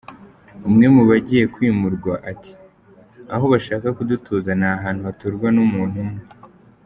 Umwe mu bagiye kwimurwa ati :”Aho bashaka kudutuza ni ahantu haturwa n’umuntu umwe.